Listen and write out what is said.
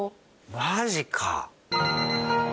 マジか！